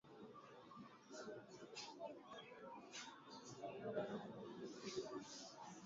Kazi zote zina hadhi, hivyo tusibagueni